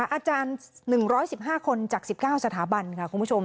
อาจารย์๑๑๕คนจาก๑๙สถาบันค่ะคุณผู้ชม